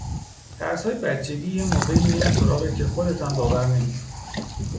ترسهای بچگی یه موقعی میان سراغت که خودتم باور نمیکنی